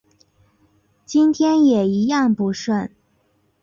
今天也一样不顺